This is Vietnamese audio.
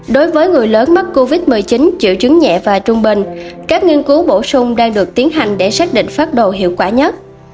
đối với người lớn mắc covid một mươi chín triệu chứng nhẹ và trung bình các nghiên cứu bổ sung đang được tiến hành để xác định phát đồ hiệu quả nhất